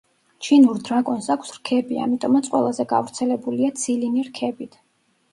ჩინურ დრაკონს აქვს რქები, ამიტომაც ყველაზე გავრცელებულია ცილინი რქებით.